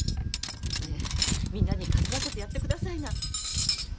ねえみんなに担がせてやってくださいな。